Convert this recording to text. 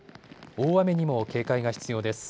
大雨にも警戒が必要です。